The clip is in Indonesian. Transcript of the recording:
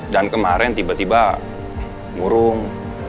dan kemarin tiba tiba murung